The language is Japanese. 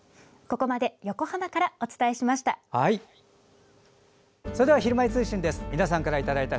ここまで横浜からお伝えしました。